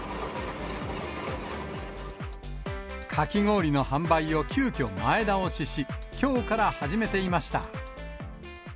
かき氷の販売を急きょ前倒しし、きょうから始めていました。